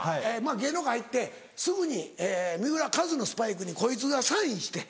芸能界入ってすぐに三浦カズのスパイクにこいつがサインして。